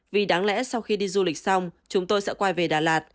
vì đáng lẽ sau khi đi du lịch xong chúng tôi sẽ quay về đà lạt